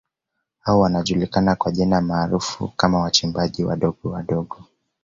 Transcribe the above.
Hao wanajulikana kwa jina maarufu kama wachimbaji wadogo wadogo